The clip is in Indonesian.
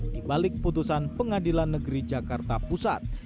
di balik putusan pengadilan negeri jakarta pusat